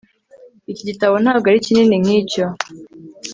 Iki gitabo ntabwo ari kinini nkicyo